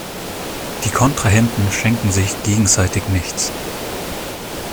Die Kontrahenten schenken sich gegenseitig nichts.